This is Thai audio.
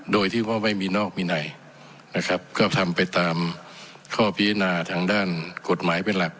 โดยที่ว่าไม่มีนอกวินัยนะครับก็ทำไปตามข้อพิจารณาทางด้านกฎหมายเป็นหลัก